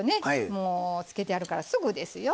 もうつけてあるからすぐですよ。